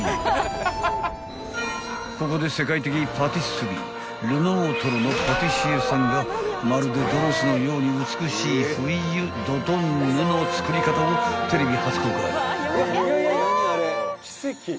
［ここで世界的パティスリールノートルのパティシエさんがまるでドレスのように美しいフイユ・ドトンヌの作り方をテレビ初公開］